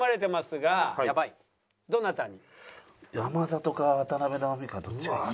山里か渡辺直美かどっちか。